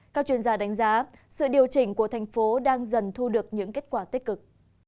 các chuyên gia đánh giá sự điều chỉnh của thành phố đang dần thu được những kết quả tích cực